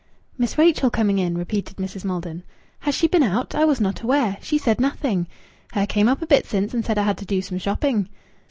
"Miss Rachel coming in!" repeated Mrs. Maldon. "Has she been out? I was not aware. She said nothing " "Her came up a bit since, and said her had to do some shopping."